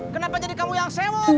kenapa jadi kamu yang sewa